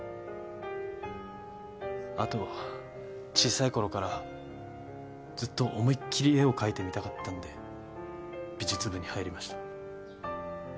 あと小さいころからずっと思いっ切り絵を描いてみたかったんで美術部に入りました。